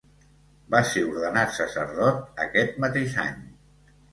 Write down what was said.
Va ser ordenat sacerdot aquest mateix any.